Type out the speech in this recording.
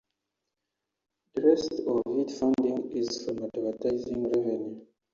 The rest of its funding is from advertising revenue.